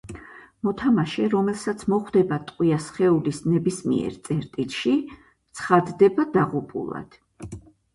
მოთამაშე, რომელსაც მოხვდება ტყვია სხეულის ნებისმიერ წერტილში, ცხადდება დაღუპულად.